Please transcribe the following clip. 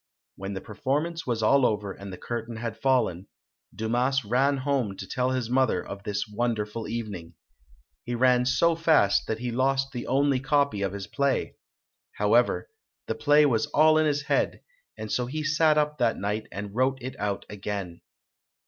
When the performance was all over and the curtain had fallen, Dumas ran home to tell his mother of this wonderful evening. He ran so fast that he lost the only copy of his play. However, the play was all in his head and so he sat up that night and wrote it out again.